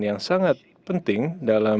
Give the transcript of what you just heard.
yang sangat penting dalam